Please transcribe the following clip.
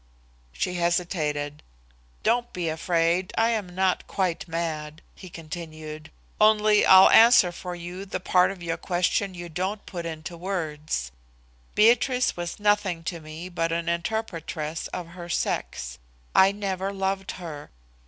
She hesitated. "Don't be afraid I am not quite mad," he continued, "only I'll answer for you the part of your question you don't put into words. Beatrice was nothing to me but an interpretress of her sex. I never loved her.